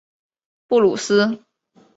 布鲁斯。